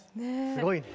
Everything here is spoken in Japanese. すごいね。